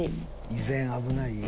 依然危ない？